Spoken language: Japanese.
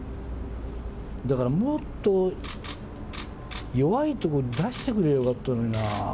だから、もっと弱いとこ出してくれりゃよかったのにな。